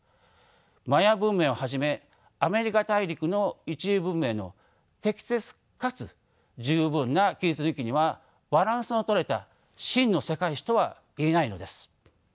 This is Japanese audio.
マヤ文明をはじめアメリカ大陸の一次文明の適切かつ十分な記述抜きにはバランスの取れた真の世界史とはいえないのです。